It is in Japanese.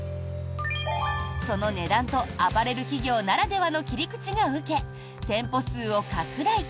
その値段とアパレル企業ならではの切り口が受け、店舗数を拡大。